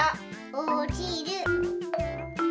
おちる。